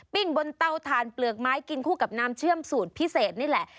บนเตาถ่านเปลือกไม้กินคู่กับน้ำเชื่อมสูตรพิเศษนี่แหละ